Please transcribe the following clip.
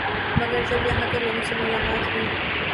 مگر جب یہاں کے لوگوں سے ملاقات ہوئی